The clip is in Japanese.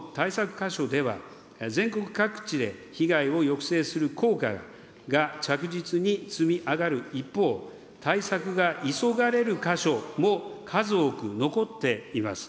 箇所では、全国各地で被害を抑制する効果が着実に積み上がる一方、対策が急がれる箇所も数多く残っています。